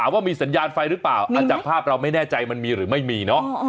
อาจจะภาพเราไม่แน่ใจมันมีหรือไม่มีเนาะ